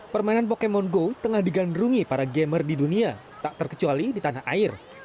permainan pokemon go tengah digandrungi para gamer di dunia tak terkecuali di tanah air